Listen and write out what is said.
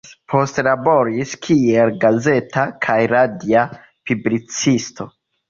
Poste laboris kiel gazeta kaj radia publicisto.